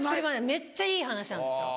めっちゃいい話なんですよ。